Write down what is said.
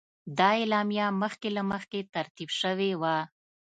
دا اعلامیه مخکې له مخکې ترتیب شوې وه.